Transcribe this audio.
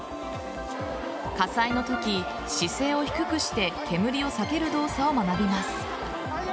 火災のとき、姿勢を低くして煙を避ける動作を学びます。